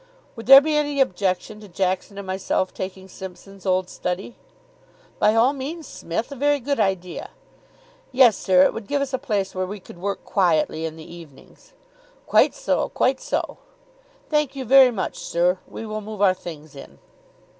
"Would there be any objection to Jackson and myself taking Simpson's old study?" "By all means, Smith. A very good idea." "Yes, sir. It would give us a place where we could work quietly in the evenings." "Quite so. Quite so." "Thank you very much, sir. We will move our things in."